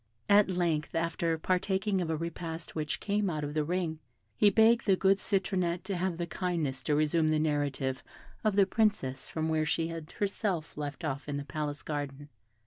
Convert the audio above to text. At length, after partaking of a repast which came out of the ring, he begged the good Citronette to have the kindness to resume the narrative of the Princess from where she had herself left off in the palace garden.